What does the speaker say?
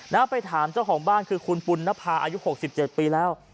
นะครับไปถามเจ้าของบ้านคือคุณปุ่นนภาอายุหกสิบเจ็ดปีแล้ว